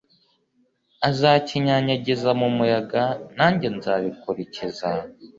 uzakinyanyagize mu muyaga nanjye nzabikurikiza